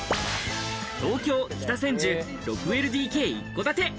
東京・北千住、６ＬＤＫ一戸建て。